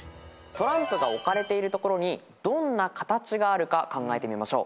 トランプが置かれているところにどんな形があるか考えてみましょう。